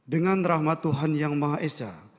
dengan rahmat tuhan yang maha esa